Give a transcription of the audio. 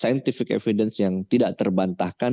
eviden sains yang tidak terbantahkan